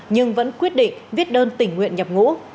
nhưng vẫn quyết định viết đơn tình nguyện nhập ngũ